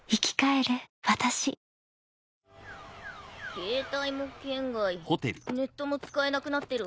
ケータイも圏外ネットも使えなくなってるわ。